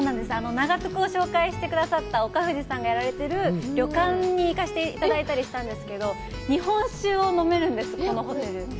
「ながトゥク」を紹介してくださった岡藤さんがやられている旅館に行かせていただいたりしたんですけど、日本酒を飲めるんです、このホテル。